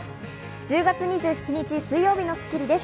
１０月２７日、水曜日の『スッキリ』です。